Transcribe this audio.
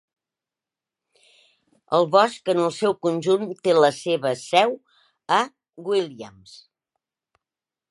El bosc en el seu conjunt té la seva seu a Williams.